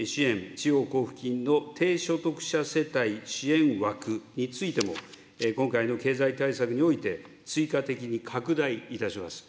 地方交付金の低所得者世帯支援枠についても、今回の経済対策において、追加的に拡大いたします。